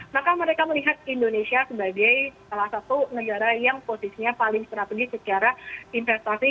maka mereka melihat indonesia sebagai salah satu negara yang posisinya paling strategis secara investasi